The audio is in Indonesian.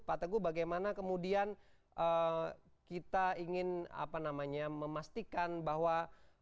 pak teguh bagaimana kemudian kita ingin memastikan bahwa